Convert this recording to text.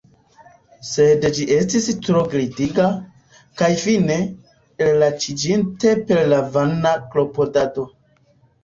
Sed ĝi estis tro glitiga; kaj fine, ellaciĝinte per la vana klopodado.